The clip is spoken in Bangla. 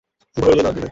ভালো লাগলো রে।